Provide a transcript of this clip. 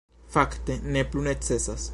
Fakte, ne plu necesas.